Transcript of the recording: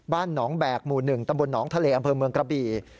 บ้านหนองแบกหมู่๑ตำบลหนองทะเลอำเภอเมืองกระบี่